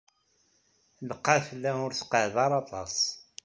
Lqaɛa tella ur teqɛid ara aṭas.